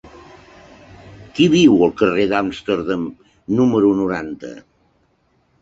Qui viu al carrer d'Amsterdam número noranta?